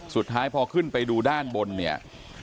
สุดท้ายพอขึ้นไปดูด้านบนเนี่ย